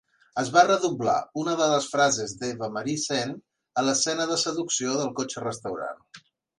Es va redoblar una de les frases d'Eva Marie Saint a l'escena de seducció del cotxe restaurant.